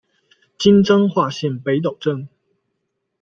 今彰化县北斗镇。